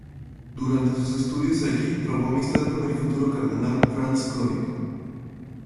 Durante sus estudios allí trabó amistad con el futuro cardenal Franz König.